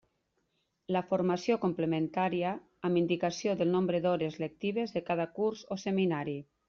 La formació complementaria, amb indicació del nombre d'hores lectives de cada curs o seminari.